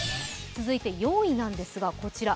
続いて４位なんですが、こちら。